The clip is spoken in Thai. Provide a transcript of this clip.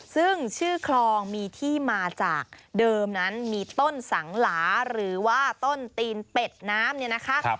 ซึ่งชื่อคลองมีที่มาจากเดิมนั้นมีต้นสังหลาหรือว่าต้นตีนเป็ดน้ำเนี่ยนะคะ